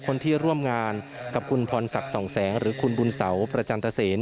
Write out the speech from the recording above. คนที่ร่วมงานกับคุณพรศักดิ์สองแสงหรือคุณบุญเสาประจันตเซน